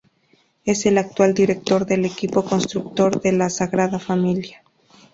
Es el actual director del equipo constructor de la Sagrada Familia.